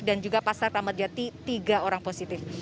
dan juga pasar ramadjati tiga orang positif